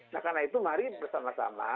nah karena itu mari bersama sama